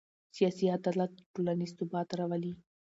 سیاسي عدالت ټولنیز ثبات راولي